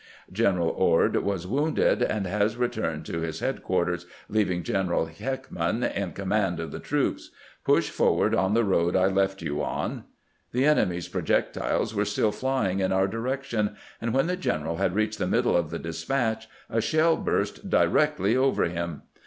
General Ord was wounded, and has returned to his headquarters, leaving General Heckman in command of the corps. Push for ward on the road I left you on." The enemy's projectiles were still flying in our direction, and when the general had reached the middle of the despatch a shell burst directly over him.